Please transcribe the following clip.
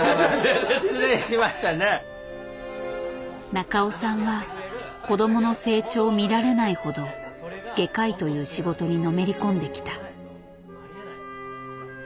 中尾さんは子どもの成長を見られないほど外科医という仕事にのめり込んできた。